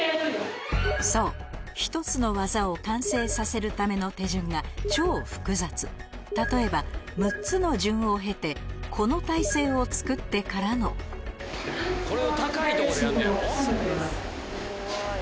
そう１つの技を完成させるための手順が超複雑例えば６つの順を経てこの体勢をつくってからのこれを高い所でやんのやろ？